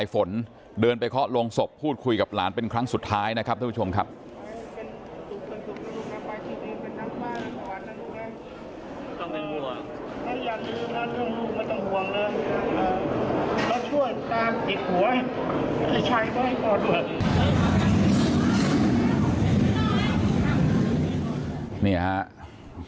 อย่าลืมนะเครื่องลูกไม่ต้องห่วงส่วนตาติดหัวไปใช่ตัวให้ต่อด้วย